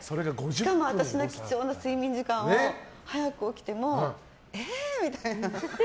しかも、私の貴重な睡眠時間を早く起きてもえーみたいな。